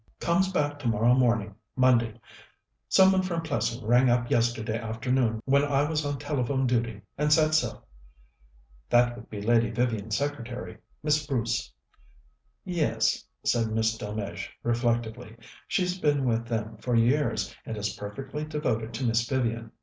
"Comes back tomorrow morning, Monday. Some one from Plessing rang up yesterday afternoon when I was on telephone duty and said so." "That would be Lady Vivian's secretary, Miss Bruce." "Yes," said Miss Delmege reflectively. "She's been with them for years, and is perfectly devoted to Miss Vivian.